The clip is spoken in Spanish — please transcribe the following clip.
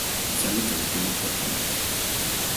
Y sale campeón por penales.